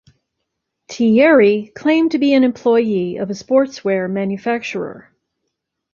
Tieri claimed to be an employee of a sportswear manufacturer.